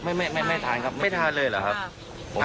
แต่มันมารัยหิวก็กิน